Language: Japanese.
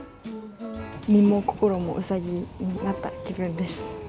身も心もうさぎになった気分です。